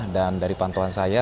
dan dari pantauan saya